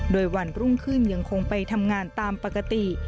โดยวันรุ่งขึ้นยังคงไปทำงานตามปกติ